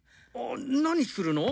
何するの？